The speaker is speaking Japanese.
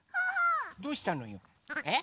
どうしたのよ？え？